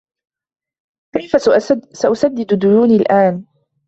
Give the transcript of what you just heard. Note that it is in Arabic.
كيفَ سأسدد ديونى الآن؟